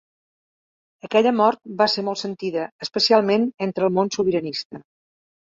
Aquella mort va ser molt sentida, especialment entre el món sobiranista.